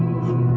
aku mau ke rumah